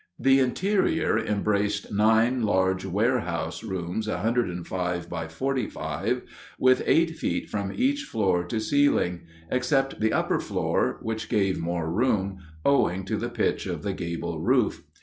The interior embraced nine large warehouse rooms 105 × 45, with eight feet from each floor to ceiling, except the upper floor, which gave more room, owing to the pitch of the gable roof.